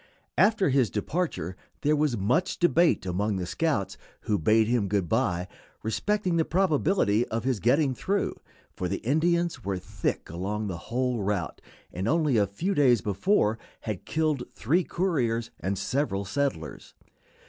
After his departure there was much debate among the scouts who bade him good by respecting the probability of his getting through, for the Indians were thick along the whole route, and only a few days before had killed three couriers and several settlers.